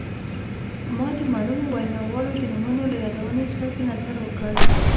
ما د معلومو ویناوالو د نومونو له یادونې صرف نظر وکړ.